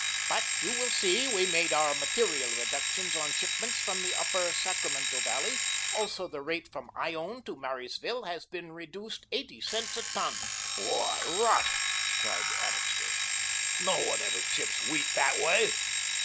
But you will see we made very material reductions on shipments from the upper Sacramento Valley; also the rate from Ione to Marysville has been reduced eighty cents a ton." "Why, rot," cried Annixter, "no one ever ships wheat that way."